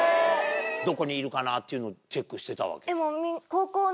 どこにいるかなっていうのをチェックしてたわけ？